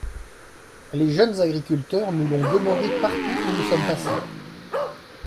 Les jeunes agriculteurs nous l’ont demandé partout où nous sommes passés.